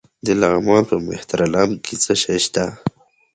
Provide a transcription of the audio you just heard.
د لغمان په مهترلام کې څه شی شته؟